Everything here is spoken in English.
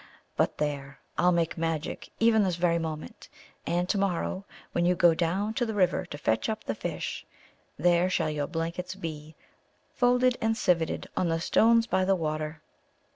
But, there! I'll make magic even this very moment, and to morrow, when you go down to the river to fetch up the fish, there shall your blankets be, folded and civeted, on the stones by the water."